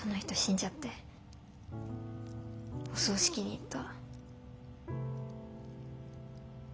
お葬式に行った。